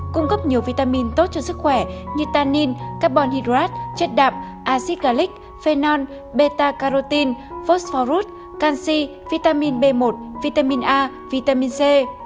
cung cấp nhiều vitamin tốt cho sức khỏe như tannin carbon hydrate chất đạp azigalic phenol beta carotene phosphorus canxi vitamin b một vitamin a vitamin c